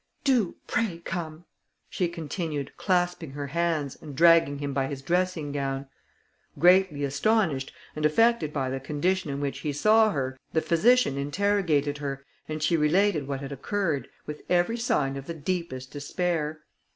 Do, pray, come;" she continued, clasping her hands, and dragging him by his dressing gown. Greatly astonished, and affected by the condition in which he saw her, the physician interrogated her, and she related what had occurred, with every sign of the deepest despair.